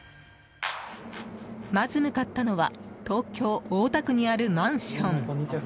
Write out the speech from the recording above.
まず向かったのは東京・大田区にあるマンション。